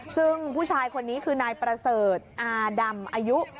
ซึ่งผู้ชายคนนี้คือนายประเสริฐอาดำอายุ